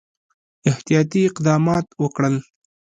احتیاطي اقدمات وکړل.